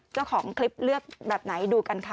เจ้าของคลิปเลือกแบบไหนดูกันค่ะ